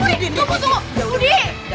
gue mau tunggu budi